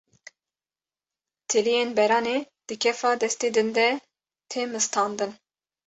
Tiliyên beranê di kefa destê din de tê mistandin